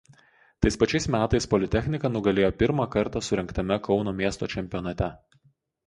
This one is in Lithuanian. Tais pačiais metais „Politechnika“ nugalėjo pirmą kartą surengtame Kauno miesto čempionate.